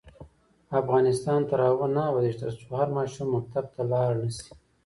افغانستان تر هغو نه ابادیږي، ترڅو هر ماشوم مکتب ته لاړ نشي.